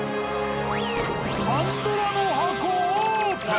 パンドラの箱オープン！